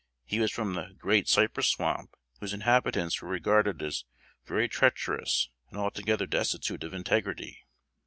He was from the "Great Cypress Swamp," whose inhabitants were regarded as very treacherous, and altogether destitute of integrity.